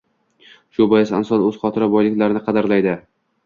Shu bois, inson o'z xotira boyliklarini qadrlaydi